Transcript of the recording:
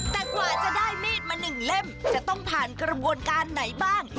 แต่กว่าจะได้มีดมาหนึ่งเล่มจะต้องผ่านกระบวนการไหนบ้าง